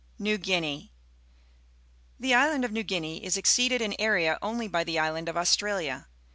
NEW GUINEA ^^O^ The island of New Guinea is exceeded in area only by the island of Australia.